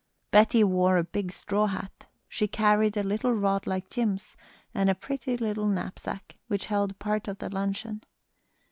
Betty wore a big straw hat; she carried a little rod like Jim's and a pretty little knapsack, which held part of the luncheon.